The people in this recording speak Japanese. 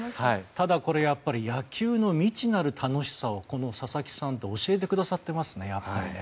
ただ、これは野球の未知なる楽しさをこの佐々木さんって教えてくださっていますね。